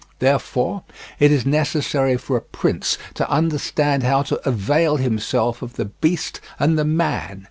Therefore it is necessary for a prince to understand how to avail himself of the beast and the man.